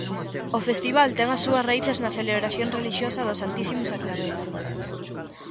O festival ten as súas raíces na celebración relixiosa do Santísimo Sacramento.